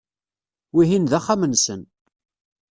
Wihin d axxam-nsen.